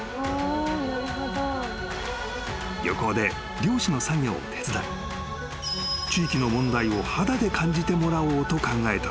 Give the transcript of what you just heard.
［漁港で漁師の作業を手伝い地域の問題を肌で感じてもらおうと考えたのだ］